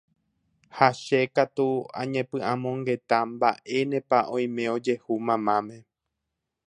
ha che katu añepy'amongeta mba'énepa oime ojehu mamáme